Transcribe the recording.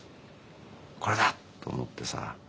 「これだ！」って思ってさ。